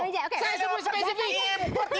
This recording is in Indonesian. saya sebut spesifik